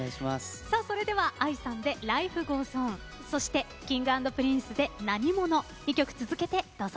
それでは ＡＩ さんで「ＬｉｆｅＧｏｅｓＯｎ」そして Ｋｉｎｇ＆Ｐｒｉｎｃｅ で「なにもの」２曲続けてどうぞ。